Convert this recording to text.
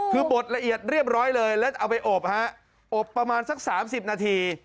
คือบดละเอียดเรียบร้อยเลยแล้วเอาไปอบฮะอบประมาณสัก๓๐นาที